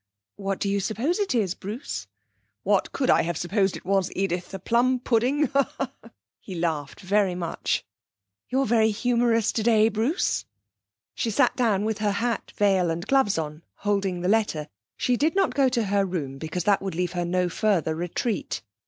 'What do you suppose it is, Bruce?' 'What could I have supposed it was, Edith? A plum pudding?' He laughed very much. 'You are very humorous today, Bruce.' She sat down with her hat, veil and gloves on, holding the letter. She did not go to her room, because that would leave her no further retreat.